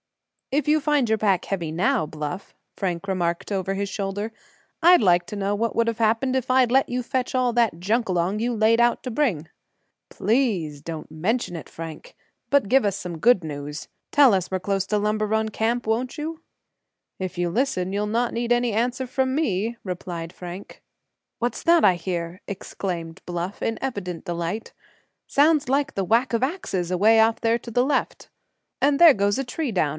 "If you find your pack heavy now, Bluff," Frank remarked, over his shoulder, "I'd like to know what would have happened if I'd let you fetch all that junk along you laid out to bring." "Please don't mention it, Frank, but give us some good news. Tell us we're close to Lumber Run Camp, won't you?" "If you listen you'll not need any answer from me!" replied Frank. "What's that I hear?" exclaimed Bluff, in evident delight. "Sounds like the whack of axes away off there to the left!" "And there goes a tree down!"